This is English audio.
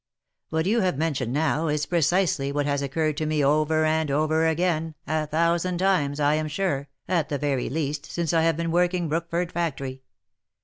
What you have mentioned now, is precisely what has occurred to me over and over again, a thousand times, I am sure, at the very least, since I have been working Brookford factory.